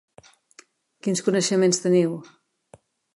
Quins coneixements teniu?